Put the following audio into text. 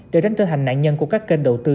để tránh trở thành nạn nhân của các kênh đầu tư